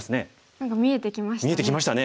何か見えてきましたね。